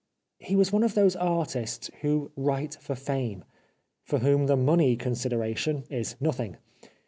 He was one of those artists who write for fame ; for whom the money consideration is nothing.